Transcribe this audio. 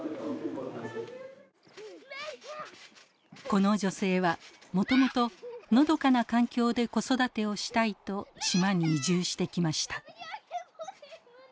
この女性はもともとのどかな環境で子育てをしたいと島に移住してきました。